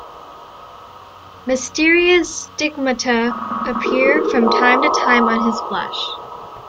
Mysterious stigmata appear from time to time on his flesh.